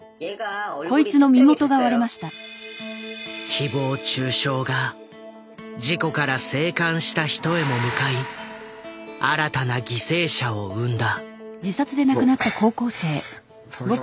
ひぼう中傷が事故から生還した人へも向かい新たな犠牲者を生んだ。